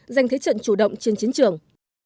dành thế trận chủ động trên chiến trường